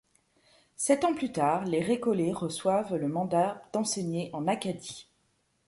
Sept ans plus tard, les Récollets reçoivent le mandat d'enseigner en Acadie.